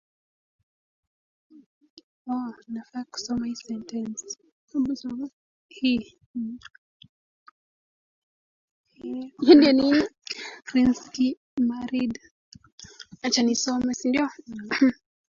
Krinsky married Devorah Kasinetz, daughter of Rabbi Zev and Ethel Kasinetz.